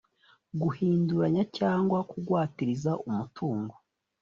guhinduranya cyangwa kugwatiriza umutungo